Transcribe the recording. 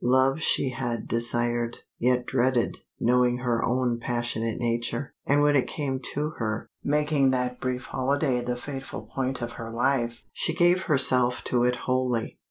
Love she had desired, yet dreaded, knowing her own passionate nature, and when it came to her, making that brief holiday the fateful point of her life, she gave herself to it wholly.